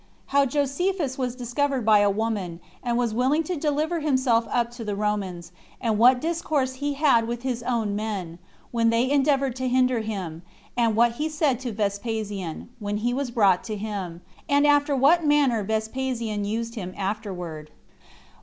How Josephus Was Discovered By A Woman, And Was Willing To Deliver Himself Up To The Romans; And What Discourse He Had With His Own Men, When They Endeavored To Hinder Him; And What He Said To Vespasian, When He Was Brought To Him; And After What Manner Vespasian Used Him Afterward.